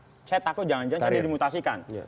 jadi saya takut jangan jangan cari dimutasikan